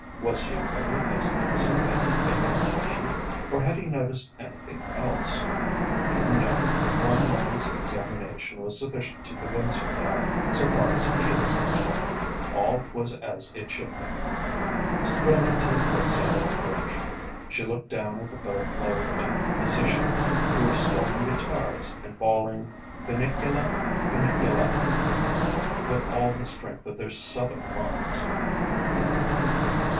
Was he really as innocent as he made out to be, or had he noticed anything else? No; one moment's examination was sufficient to convince her that, so far as he was concerned, all was as it should be. Strolling to the port side of the bridge, she looked down at the boat load of musicians who were strumming guitars, and bawling "Finiculi Finicula," with all the strength of their Southern lungs.